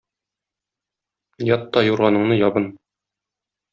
ят та юрганыңны ябын.